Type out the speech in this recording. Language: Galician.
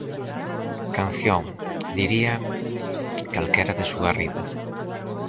Canción, diría, calquera de Su Garrido.